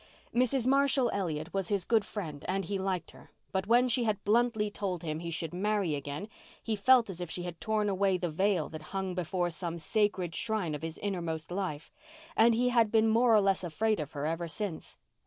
Mrs. Marshall Elliott was his good friend and he liked her. But when she had bluntly told him he should marry again he felt as if she had torn away the veil that hung before some sacred shrine of his innermost life, and he had been more or less afraid of her ever since.